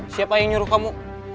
siapa yang nyuruh kamu